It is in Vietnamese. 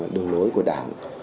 đường lối của đảng